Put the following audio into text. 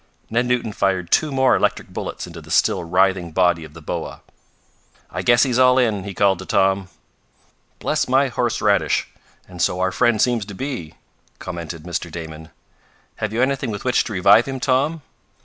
Ned Newton fired two more electric bullets into the still writhing body of the boa. "I guess he's all in," he called to Tom. "Bless my horseradish! And so our friend seems to be," commented Mr. Damon. "Have you anything with which to revive him, Tom?"